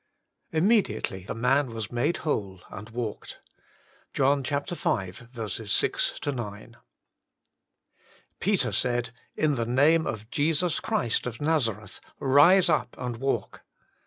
Immediately the man was made whole, and walked." JOHN v. 6 9. " Peter said, In the name of Jesus Christ of Nazareth, rise up and walk